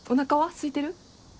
すいてる？